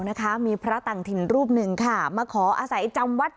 นะคะมีพระต่างถิ่นรูปหนึ่งค่ะมาขออาศัยจำวัด